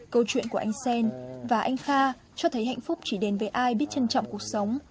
câu chuyện của anh xen và anh kha cho thấy hạnh phúc chỉ đến với ai biết trân trọng cuộc sống